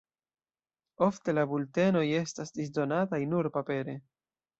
Ofte la bultenoj estas disdonataj nur papere.